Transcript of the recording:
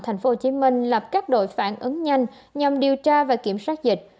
tp hcm lập các đội phản ứng nhanh nhằm điều tra và kiểm soát dịch